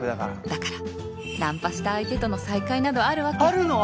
だからナンパした相手との再会などあるわけあるの！？